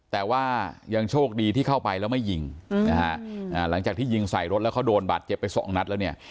แต่ว่ายังโชคดีที่เข้าไปแล้วไม่ยิงนะฮะหลังจากที่ยิงใส่รถแล้วเขาโดนบาดเจ็บไปสองนัดแล้วเนี่ย